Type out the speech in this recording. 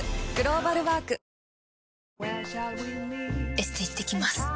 エステ行ってきます。